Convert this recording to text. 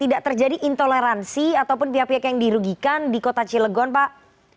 tidak terjadi intoleransi ataupun pihak pihak yang dirugikan di kota cilegon pak